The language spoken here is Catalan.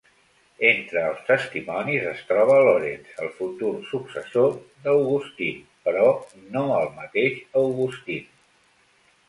Entre els testimonis es troba Laurence, el futur successor d'Augustine, però no el mateix Augustine.